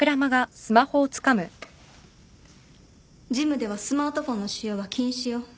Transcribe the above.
ジムではスマートフォンの使用は禁止よ。